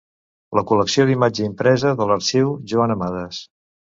La col·lecció d'imatge impresa de l'Arxiu Joan Amades.